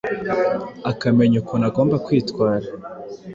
akamenya ukuntu agomba kwitwara